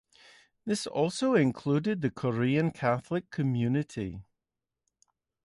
This also included the Korean Catholic Community.